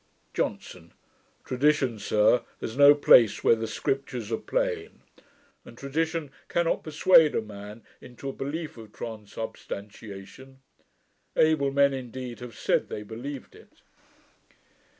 JOHNSON. 'Tradition, sir, has no place, where the Scriptures are plain; and tradition cannot persuade a man into a belief of transubstantiation. Able men, indeed, have said they believed it.'